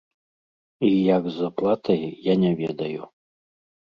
І як з аплатай, я не ведаю.